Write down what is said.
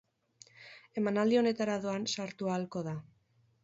Emanaldi honetara doan sartu ahalko da.